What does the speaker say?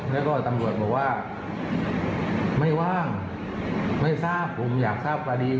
แล้วก็ตำรวจบอกว่าไม่ว่างไม่ทราบผมอยากทราบกรณี